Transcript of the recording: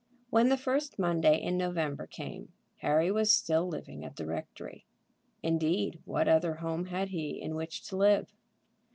When the first Monday in November came Harry was still living at the rectory. Indeed, what other home had he in which to live?